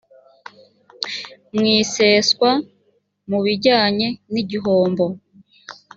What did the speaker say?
mu iseswa mu bijyanye n igihombo